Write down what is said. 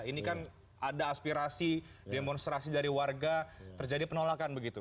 ini kan ada aspirasi demonstrasi dari warga terjadi penolakan begitu